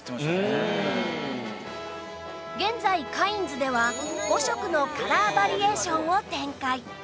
現在カインズでは５色のカラーバリエーションを展開